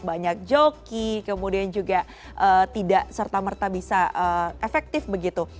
banyak joki kemudian juga tidak serta merta bisa efektif begitu